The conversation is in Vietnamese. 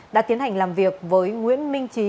đã tiến hành làm việc với nguyễn minh trí